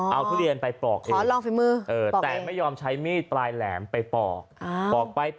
เอาทุเรียนไปปอกเองแต่ไม่ยอมใช้มีดปลายแหลมไปปอกไป